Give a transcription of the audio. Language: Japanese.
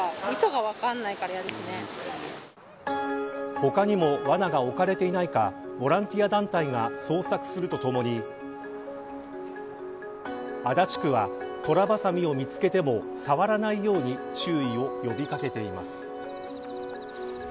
他にもわなが置かれていないかボランティア団体が捜索するとともに足立区はトラバサミを見つけても触らないように注意を呼び掛けています。